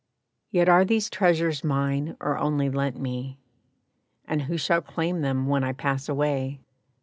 Yet are these treasures mine, or only lent me? And who shall claim them when I pass away?